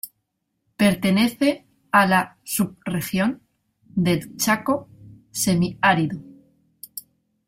Pertenece a la subregión del Chaco semiárido.